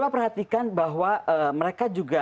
perhatikan bahwa mereka juga